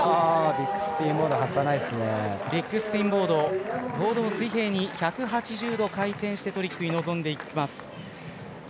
ビッグスピンボードボードを水平に１８０度回転してトリックに臨んでいきます。